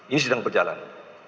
ini sedang berjalan